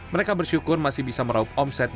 mereka bersyukur masih bisa meraup omset